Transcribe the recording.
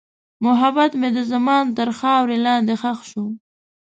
محبت مې د زمان تر خاورې لاندې ښخ شو.